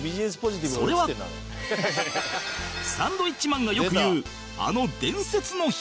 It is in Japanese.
それはサンドウィッチマンがよく言うあの伝説の日